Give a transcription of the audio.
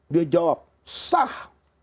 dia jawab sah